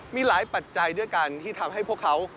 มีหลายปัจจัยด้วยกันที่ทำให้พวกเขา